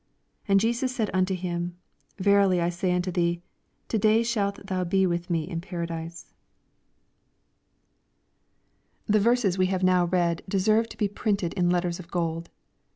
43 And Jesus said unto him, Ver ily I say unto thee, To day shalt thou be with me in paradise. Thb verses we have now read deserve to be printed in 470 EXPOSiTORy thoughts. letters of gold.